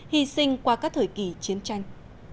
hy sinh qua các thời kỳ chiến tranh